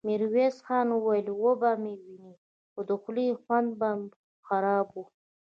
ميرويس خان وويل: وبه يې وينې، خو د خولې خوند مه خرابوه!